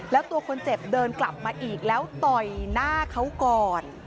แล้วตัวคนเจ็บเดินกลับมาอีกแล้วต่อยหน้าเขาก่อน